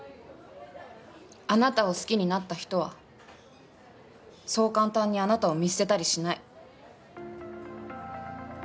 あなたを好きになった人はそう簡単にあなたを見捨てたりしない。